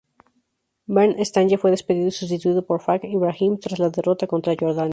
Bernd Stange fue despedido y sustituido por Fajr Ibrahim, tras la derrota contra Jordania.